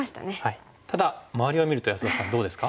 ただ周りを見ると安田さんどうですか？